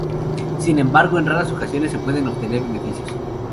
Sin embargo, en raras ocasiones se pueden obtener beneficios.